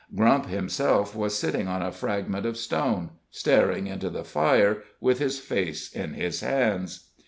Grump himself was sitting on a fragment of stone, staring into the fire, with his face in his hands.